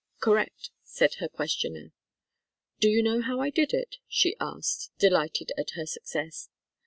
"Correct," said her ques tioner. "Do you know how I did it ?" she asked, delighted at her success.